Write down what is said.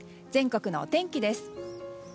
全国のお天気です。